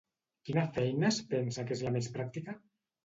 Quina feina es pensa que és la més pràctica?